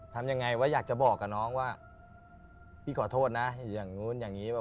ทำยังไงว่าอยากจะบอกกับน้องว่าพี่ขอโทษนะอย่างนู้นอย่างนี้